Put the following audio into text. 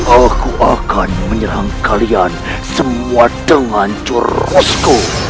aku akan menyerang kalian semua dengan corosku